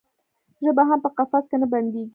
ژبه هم په قفس کې نه بندیږي.